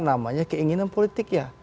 namanya keinginan politik ya